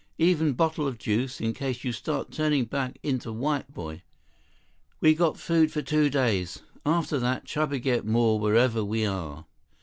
Even bottle of juice in case you start turning back into white boy. We got food for two days. After that, Chuba get more wherever we are."